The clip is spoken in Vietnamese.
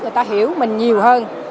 người ta hiểu mình nhiều hơn